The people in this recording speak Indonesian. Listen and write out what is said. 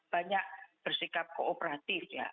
banyak bersikap kooperatif ya